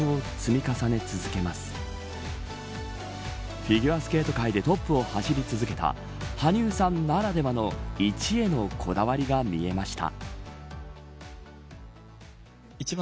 フィギュアスケート界でトップを走り続けた羽生さんならではの１へのこだわりが見えました。